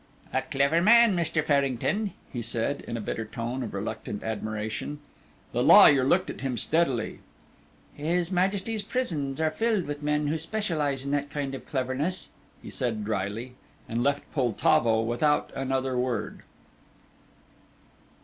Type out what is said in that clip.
"A clever man, Mr. Farrington," he said, in a bitter tone of reluctant admiration. The lawyer looked at him steadily. "His Majesty's prisons are filled with men who specialize in that kind of cleverness," he said, drily, and left Poltavo without another word.